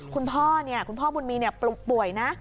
คุณพ่อเนี่ยคุณพ่อบุญมีเนี่ยป่วยนะ